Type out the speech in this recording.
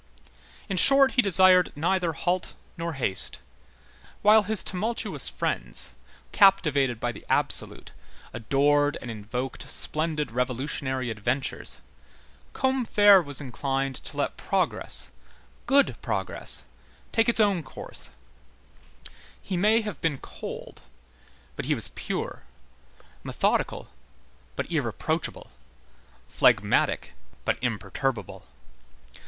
In short, he desired neither halt nor haste. While his tumultuous friends, captivated by the absolute, adored and invoked splendid revolutionary adventures, Combeferre was inclined to let progress, good progress, take its own course; he may have been cold, but he was pure; methodical, but irreproachable; phlegmatic, but imperturbable.